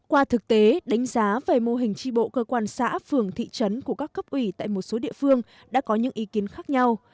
qua thực tế đánh giá về mô hình tri bộ cơ quan xã phường thị trấn của các cấp ủy tại một số địa phương đã có những ý kiến khác nhau